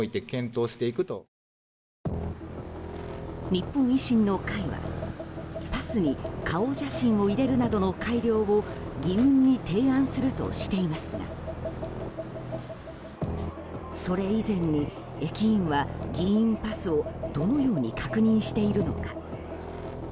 日本維新の会は、パスに顔写真を入れるなどの改良を議運に提案するとしていますがそれ以前に、駅員は議員パスをどのように確認しているのか。